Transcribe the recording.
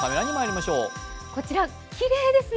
こちらきれいですね。